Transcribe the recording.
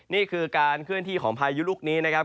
นี่คือการเคลื่อนที่ของพายุลูกนี้นะครับ